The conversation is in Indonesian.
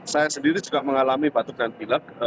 saya sendiri juga mengalami batuk dan pilek